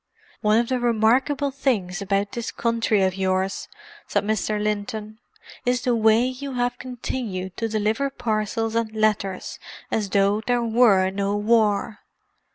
"One of the remarkable things about this country of yours," said Mr. Linton, "is the way you have continued to deliver parcels and letters as though there were no war.